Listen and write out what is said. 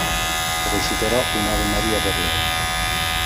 Reciterò un'Ave Maria per Lei.